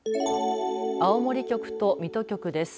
青森局と水戸局です。